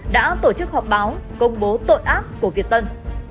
đã tổ chức họp báo công bố tội ác của việt tân